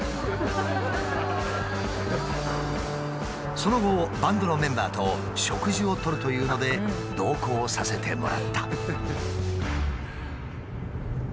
その後バンドのメンバーと食事をとるというので同行させてもらった。